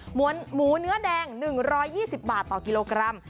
หมูเนื้อแดง๑๒๐บาทต่อกิโลกรัม